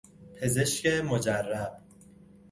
پزشک مجرب